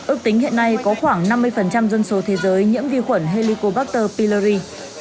ước tính hiện nay có khoảng năm mươi dân số thế giới nhiễm vi khuẩn helicobacter pylori